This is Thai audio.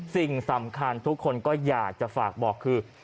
สิ่งสำคัญทุกคนก็อยากจะฝากบอกคือ